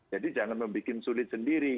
jadi jangan membuat sulit sendiri